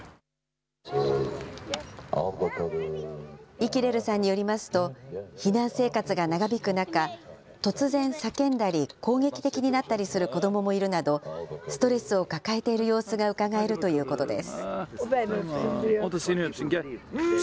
イキレルさんによりますと、避難生活が長引く中、突然叫んだり攻撃的になったりする子どももいるなど、ストレスを抱えている様子がうかがえるということです。